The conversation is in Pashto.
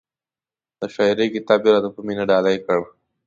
د شاعرۍ کتاب یې را ته په مینه ډالۍ کړ.